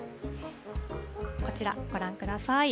こちらご覧ください。